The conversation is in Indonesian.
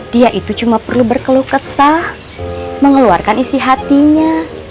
dia itu cuma perlu berkeluh kesah mengeluarkan isi hatinya